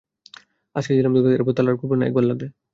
আজকে দিলাম ঢুকতে, এরপর তালা আর খুলবে না, একবার লাগলে।